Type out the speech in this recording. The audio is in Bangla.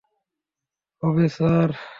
হবে, স্যার?